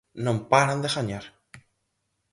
Non paran de gañar.